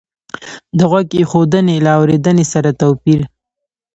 د غوږ ایښودنې له اورېدنې سره توپیر